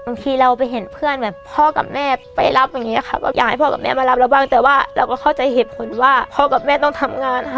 นี่ถึงสุดเลยค่ะ